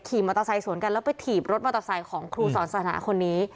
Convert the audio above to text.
ขี่มอเตอร์ไซค์สวนกันแล้วไปถีบรถมอเตอร์ไซค์ของครูสอนศาสนาคนนี้